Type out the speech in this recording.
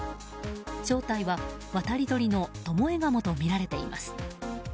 正体は渡り鳥のトモエガモとみられています。